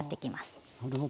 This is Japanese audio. あなるほど。